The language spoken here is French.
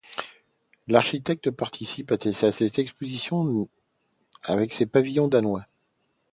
L’architecte participe à cette exposition avec ses pavillons danois.